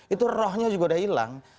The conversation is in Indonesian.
itu rohnya juga udah hilang